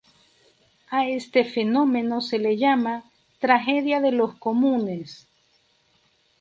A este fenómeno se le llama "Tragedia de los comunes".